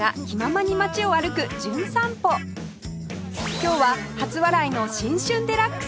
今日は初笑いの『新春デラックス』